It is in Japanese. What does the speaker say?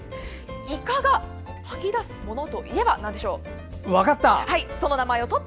イカが吐き出すものといえば分かった！